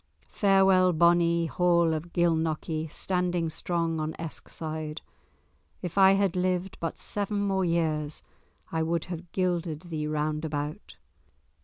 Farewell, bonnie Hall of Gilnockie, standing strong on Eskside; if I had lived but seven more years, I would have gilded thee round about."